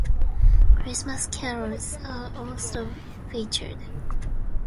Christmas carols are also featured.